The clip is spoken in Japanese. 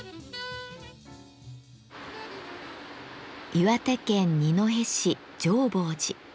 岩手県二戸市浄法寺。